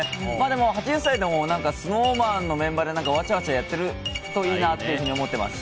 でも、８０歳でもＳｎｏｗＭａｎのメンバーでわちゃわちゃやっているといいなというふうに思っています。